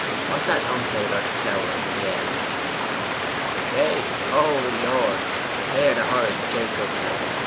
'What's that long favoured flower under the hedge?' 'They? O Lord, they are the horrid Jacob's ladders!